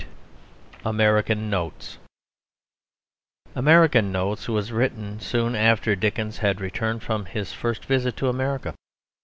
] AMERICAN NOTES American Notes was written soon after Dickens had returned from his first visit to America.